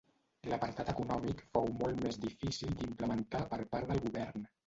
L'apartat econòmic fou molt més difícil d'implementar per part del govern.